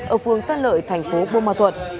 ở phương tân lợi thành phố bô ma thuật